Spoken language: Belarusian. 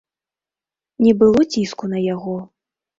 Не было ціску на яго.